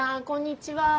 こんにちは。